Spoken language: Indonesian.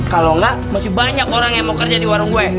kalau enggak masih banyak orang yang mau kerja di warung gue